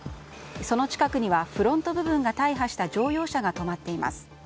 その近くにはフロント部分が大破した乗用車が止まっています。